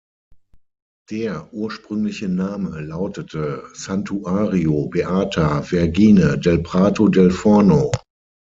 Der ursprüngliche Name lautete "Santuario Beata Vergine del Prato del Forno".